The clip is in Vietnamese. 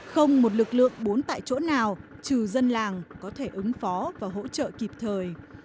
không một lực lượng bốn tại chỗ nào trừ dân làng có thể ứng phó và hỗ trợ kịp thời